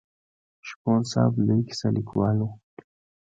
شپون صاحب لوی کیسه لیکوال و.